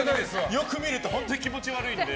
よく見ると本当に気持ち悪いので。